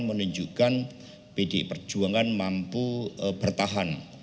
menunjukkan pdi perjuangan mampu bertahan